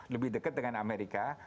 lebih dekat dengan amerika